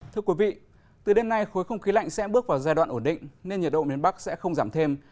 thưa quý vị từ đêm nay khối không khí lạnh sẽ bước vào giai đoạn ổn định nên nhiệt độ miền bắc sẽ không giảm thêm